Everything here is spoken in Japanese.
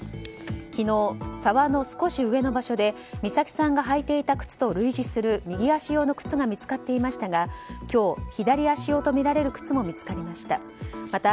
昨日、沢の少し上の場所で美咲さんが履いていた靴と類似する右足用の靴が見つかっていましたが今日、左足用とみられる靴も見つかりました。